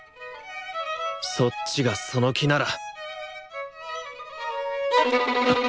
そっちがその気なら！